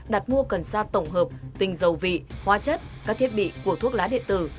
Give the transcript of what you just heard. đặt mua cần sa tổng hợp tinh dầu vị hoa chất các thiết bị của thuốc lá điện tử